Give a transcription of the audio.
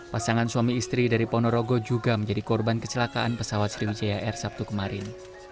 pasangan suami istri dari ponorogo juga menjadi korban kecelakaan pesawat sriwijaya air sabtu kemarin